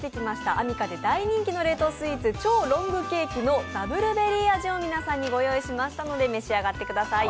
アミカで大人気の冷凍スイーツ超ロングケーキのダブルベリー味を皆さんにご用意しましたので、召し上がってください。